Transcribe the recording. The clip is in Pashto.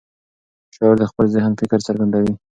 شاعر د خپل ذهن فکر څرګندوي.